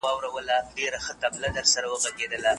موږ باید شیان سره مقایسه کړو.